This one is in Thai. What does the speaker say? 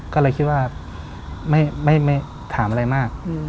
ก็เลยคิดว่าไม่ถามอะไรมาก